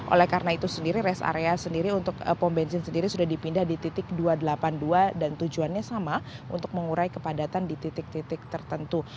oleh karena itu sendiri res area sendiri untuk pom bensin sendiri sudah dipindah di titik dua ratus delapan puluh dua dan tujuannya sama untuk mengurai kepadatan di titik titik tertentu